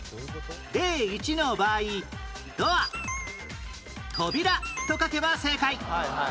例１の場合「どあ」「とびら」と書けば正解